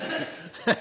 ハハハッ。